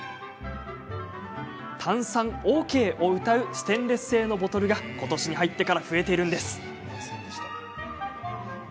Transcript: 炭酸ＯＫをうたうステンレス製のボトルがことしに入ってから増えているんです。